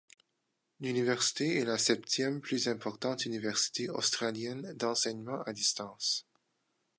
L'université est la septième plus importante université australienne d'enseignement à distance.